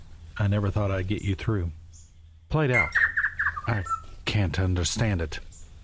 I never thought I'd get you through." "Played out! I can't understand it."